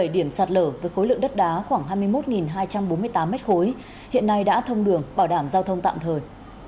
bảy điểm sạt lở với khối lượng đất đá khoảng hai mươi một hai trăm bốn mươi tám m ba hiện nay đã thông đường bảo đảm giao thông tạm thời